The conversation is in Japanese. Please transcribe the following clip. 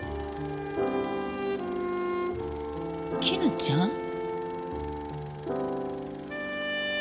絹ちゃん？